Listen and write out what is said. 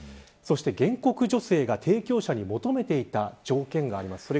そして、原告女性が提供者に求めていた条件があります。